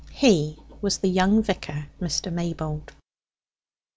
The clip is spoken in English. He was the young vicar, Mr. Maybold.